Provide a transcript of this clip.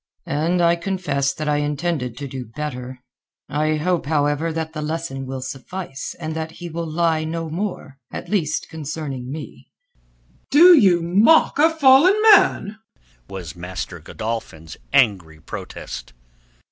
"And I confess that I intended to do better. I hope, however, that the lesson will suffice and that he will lie no more—at least concerning me." "Do you mock a fallen man?" was Master Godolphin's angry protest.